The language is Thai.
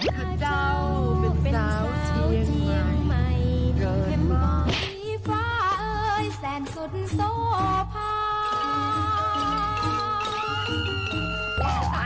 ข้าเจ้าเป็นเจ้าเชียงใหม่เกินมาที่ฟ้าเอ้ยแสนสุดโซภา